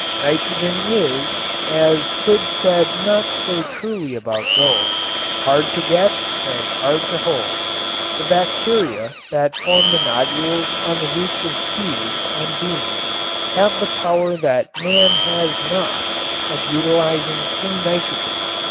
Nitrogen is, as Hood said not so truly about gold, "hard to get and hard to hold." The bacteria that form the nodules on the roots of peas and beans have the power that man has not of utilizing free nitrogen.